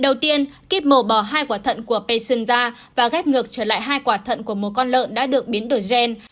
đầu tiên kíp mổ bỏ hai quả thận của pearson ra và ghép ngược trở lại hai quả thận của một con lợn đã được biến đổi gen